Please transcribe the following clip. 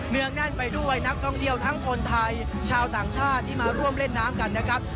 งแน่นไปด้วยนักท่องเที่ยวทั้งคนไทยชาวต่างชาติที่มาร่วมเล่นน้ำกันนะครับ